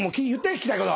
聞きたいこと。